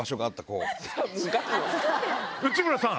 内村さん！